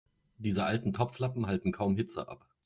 Diese alten Topflappen halten kaum Hitze ab.